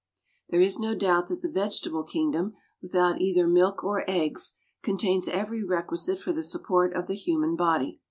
There is no doubt that the vegetable kingdom, without either milk or eggs, contains every requisite for the support of the human body.